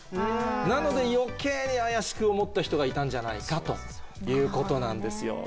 なので余計に怪しく思った人がいたんじゃないかということなんですよ。